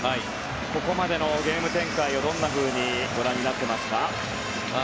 ここまでのゲーム展開をどんなふうにご覧になっていますか？